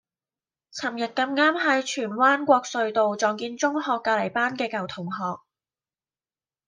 噚日咁啱喺荃灣國瑞路撞見中學隔離班嘅舊同學